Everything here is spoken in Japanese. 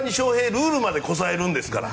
ルールまでこさえるんですから。